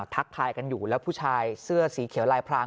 ทักทายกันอยู่แล้วผู้ชายเสื้อสีเขียวลายพราง